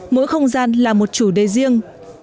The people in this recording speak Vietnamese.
mỗi không gian là một chủ đề riêng